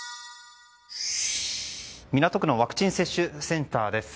港区のワクチン接種センターです。